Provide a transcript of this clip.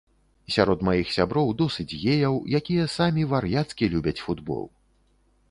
Сярод маіх сяброў досыць геяў, якія самі вар'яцкі любяць футбол.